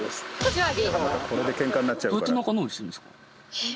えっ？